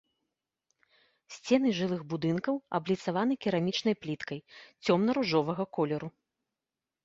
Сцены жылых будынкаў абліцаваны керамічнай пліткай цёмна-ружовага колеру.